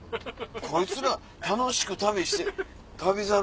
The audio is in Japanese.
「こいつら楽しく旅して『旅猿』。